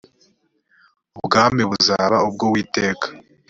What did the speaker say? ubwami buzaba ubw uwiteka